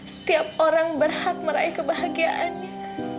setiap orang berhak meraih kebahagiaannya